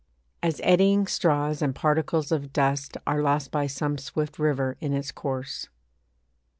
As eddying straws and particles of dust Are lost by some swift river in its course.